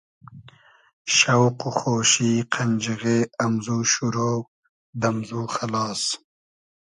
شۆق و خۉشی قئنجیغې امزو شورۉ, دئمزو خئلاس